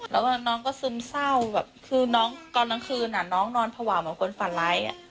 แล้วน้องก็ซึมเศร้าแบบคือน้องตอนกลางคืนน้องนอนภาวะเหมือนคนฝันร้าย